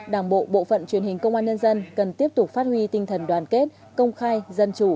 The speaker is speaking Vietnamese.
đảng bộ bộ phận truyền hình công an nhân dân cần tiếp tục phát huy tinh thần đoàn kết công khai dân chủ